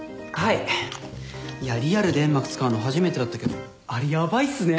いやリアルで煙幕使うの初めてだったけどあれヤバいっすね。